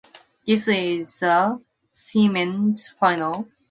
This is the Seaman's final stage of its maturity process.